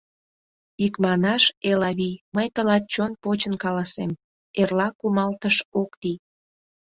Икманаш, Элавий, мый тылат чон почын каласем: эрла кумалтыш ок лий.